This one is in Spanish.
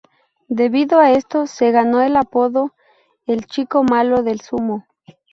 Debido a esto se ganó el apodo de "El chico malo del sumo".